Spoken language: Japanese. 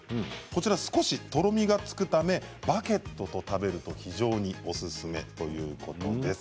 少しとろみがつくためバゲットと食べると、非常におすすめということです。